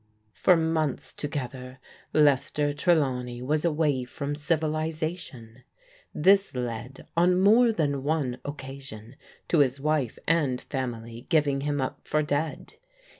For months together, Lester Trelawney was away from civilization. This led, on more than one occasion, to his wife and family giving him up for dead.